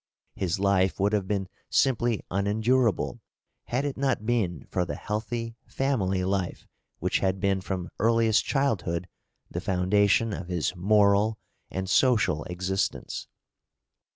His life would have been simply unendurable had it not been for the healthy family life which had been from earliest childhood the foundation of his moral and social existence.